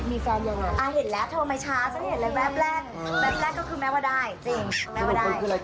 ไม่เห็นเลยมีแฟนยังเห็นแล้วโทรไม่ช้าเห็นแม่แปลกก็คือแม่ว่าได้จริง